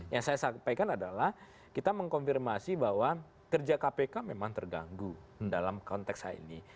yang saya sampaikan adalah kita mengkonfirmasi bahwa kerja kpk memang terganggu dalam konteks hal ini